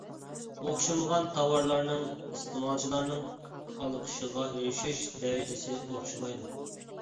ئوخشىمىغان تاۋارلارنىڭ ئىستېمالچىلارنىڭ ئالقىشىغا ئېرىشىش دەرىجىسى ئوخشىمايدۇ.